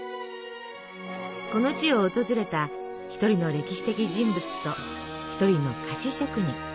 この地を訪れた一人の歴史的人物と一人の菓子職人。